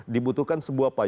dibutuhkan sebuah payung